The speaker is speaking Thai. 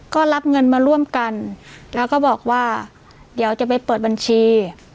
ก็รับเงินมาร่วมกันแล้วก็บอกว่าเดี๋ยวจะไปเปิดบัญชี